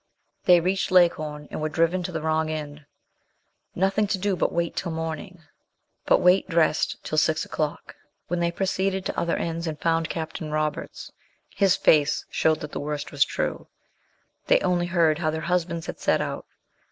They reached Leghorn, and were driven to the wrong inn. Nothing to do but wait till the morning but wait dressed till six o'clock when they proceeded to other inns and found Captain Roberts. His face showed that the worst was true. They only heard how their husbands had set out.